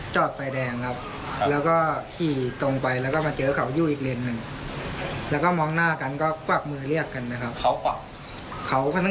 ใช่แฟนผมยืนอยู่ที่รถแต่ผมเหนื่อยผมเลยเดินข้ามมาอีกวันหนึ่ง